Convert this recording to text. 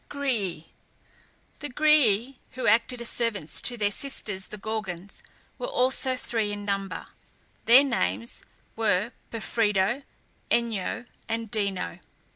GRÆÆ. The Grææ, who acted as servants to their sisters the Gorgons, were also three in number; their names were Pephredo, Enyo, and Dino.